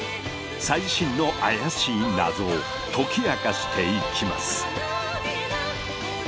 最新の怪しい謎を解き明かしていきます。